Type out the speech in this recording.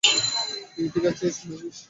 তুই ঠিক আছিস, মেভিস?